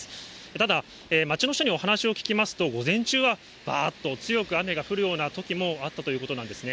ただ、街の人にお話を聞きますと、午前中は、ばーっと強く雨が降るようなときもあったということなんですね。